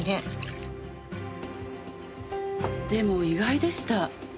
でも意外でした。